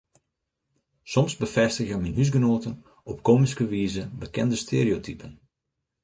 Soms befêstigje myn húsgenoaten op komyske wize bekende stereotypen.